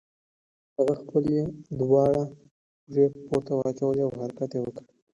هغه خپلې دواړه اوږې پورته واچولې او حرکت یې وکړ.